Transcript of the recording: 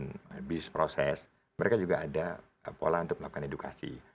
kemudian habis proses mereka juga ada pola untuk melakukan edukasi